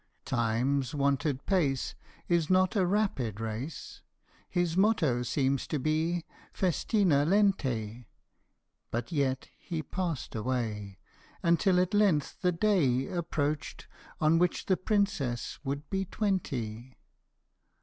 Time's wonted pace Is not a rapid race ; His motto seems to be " Festina lente" But yet he passed away, Until at length the day Approached on which the Princess would be twenty.